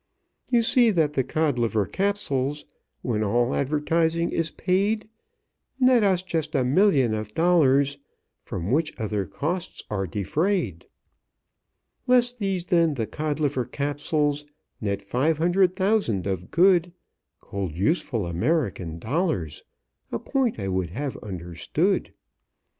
"You see that the Codliver Capsules, When all advertising is paid, Net us just a million of dollars, From which other costs are defrayed. "Less these, then, the Codliver Capsules Net five hundred thousand of good, Cold, useful American dollars A point I would have understood.